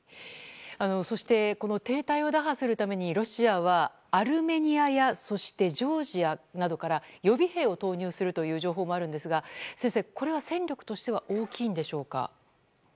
そして、この停滞を打破するためにロシアはアルメニアやジョージアなどから予備兵を投入するという情報もあるんですが先生、これは戦力としては大きいんでしょうか？